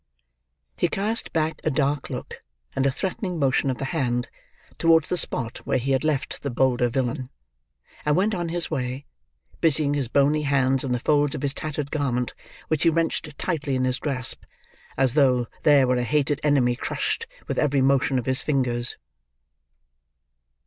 He cast back a dark look, and a threatening motion of the hand, towards the spot where he had left the bolder villain; and went on his way: busying his bony hands in the folds of his tattered garment, which he wrenched tightly in his grasp, as though there were a hated enemy crushed with every motion of his fingers.